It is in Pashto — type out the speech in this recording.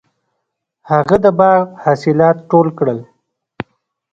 هغه د باغ حاصلات ټول کړل.